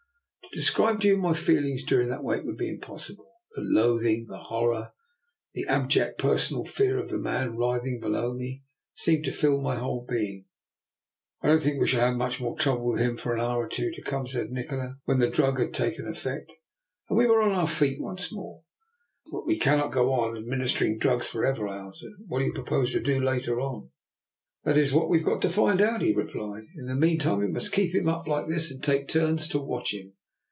To describe to you my feelings during that wait would be impossible; the loathing, the horror, the abject personal fear of the man writhing below me seemed to fill my whole being. " I don't think we shall have very much more trouble with him for an hour or two to come," said Nikola, when the drug had taken effect, and we were on our feet once more. << But we cannot go on administering drugs for ever," I answered; "what do you propose to do later on? "" That is what we've got to find out," he replied. " In the meantime we must keep him up like this, and take it in turns to watch him.